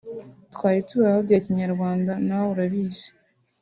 twari tubayeho bya Kinyarwanda na we urabizi